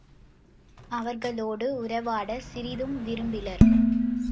அவர்களோடு உறவாடச் சிறிதும் விரும்பிலர்.